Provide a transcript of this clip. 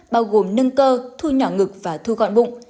bao gồm nâng cơ thu nhỏ ngực và thu gọn bụng